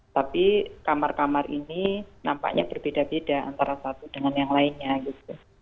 tapi kamar kamar ini nampaknya berbeda beda antara satu dengan yang lainnya gitu